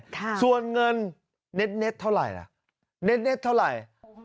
ฮะส่วนเงินเธอไหล่อะเนทเท่าไหร่